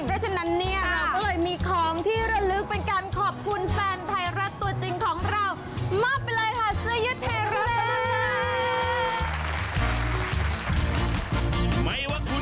เพราะฉะนั้นเนี่ยเราก็เลยมีของที่ละลึกเป็นการขอบคุณแฟนไทยรัฐตัวจริงของเรา